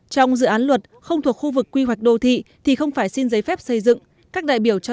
trong dự án luật không chỉ là nội dung của các đại biểu